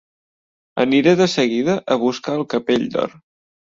Aniré de seguida a buscar el Capell d'Or.